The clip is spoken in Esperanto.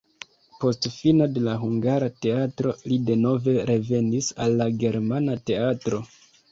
Post fino de la hungara teatro li denove revenis al la germana teatro.